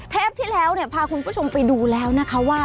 ที่แล้วเนี่ยพาคุณผู้ชมไปดูแล้วนะคะว่า